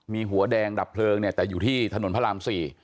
มีหัวแดงดับเพลิงเนี่ยแต่อยู่ที่ถนนพระราม๔